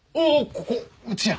ここうちや。